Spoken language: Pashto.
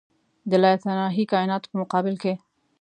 د لایتناهي کایناتو په مقابل کې.